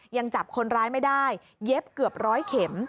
ยังจับคนร้ายไม่ได้เย็บเกือบร้อยเข็ม